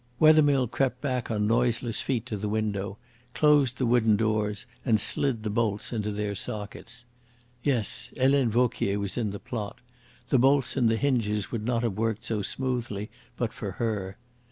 Wethermill crept back on noiseless feet to the window, closed the wooden doors, and slid the bolts into their sockets. Yes, Helene Vauquier was in the plot. The bolts and the hinges would not have worked so smoothly but for her.